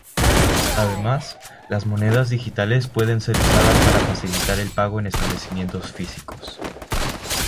Además, las monedas digitales pueden ser usadas para facilitar el pago en establecimientos físicos.